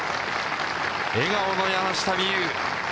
笑顔の山下美夢有。